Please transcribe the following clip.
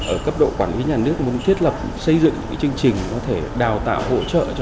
ở cấp độ quản lý nhà nước muốn thiết lập xây dựng những chương trình có thể đào tạo hỗ trợ cho